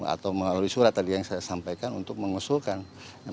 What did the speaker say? atau melalui surat tadi yang saya sampaikan untuk mengusulkan